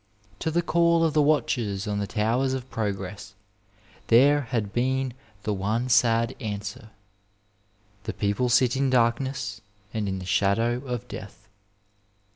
To the call of the watchers on the towers of progress there had been the one sad answer — the people sit in darkness and in the shadow of death.